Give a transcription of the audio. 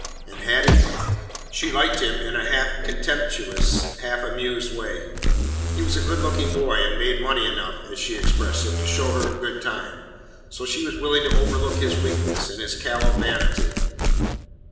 And Hattie? She liked him in a half contemptuous, half amused way. He was a good looking boy and made money enough, as she expressed it, to show her a good time, so she was willing to overlook his weakness and his callow vanity.